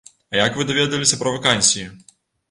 А як вы даведаліся пра вакансіі?